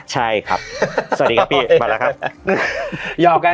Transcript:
สวัสดีครับปีมาแล้วครับ